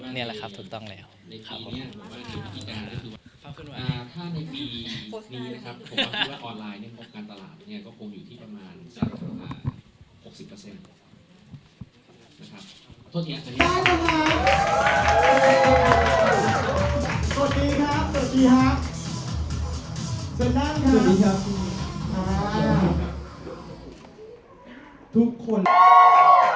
เนี่ยแหละครับถูกต้องแล้วขอบคุณครับ